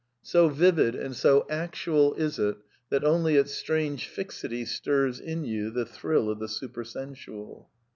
So vivid and so actual is it, that only its strange fixity stirs in you the thrill of the super sensual.